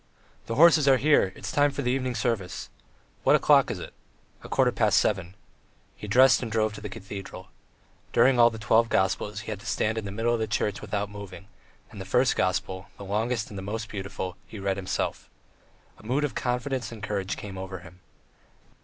"The horses are here; it's time for the evening service." "What o'clock is it?" "A quarter past seven." He dressed and drove to the cathedral. During all the "Twelve Gospels" he had to stand in the middle of the church without moving, and the first gospel, the longest and the most beautiful, he read himself. A mood of confidence and courage came over him.